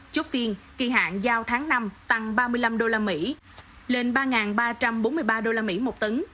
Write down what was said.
chốt phiên kỳ hạn giao tháng năm tăng ba mươi năm đô la mỹ lên ba ba trăm bốn mươi ba đô la mỹ một tấn